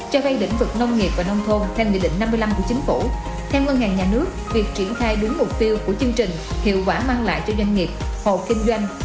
cho vay lĩnh vực nông nghiệp và nông thôn theo nghị định năm mươi năm của chính phủ